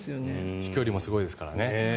飛距離もすごいですからね。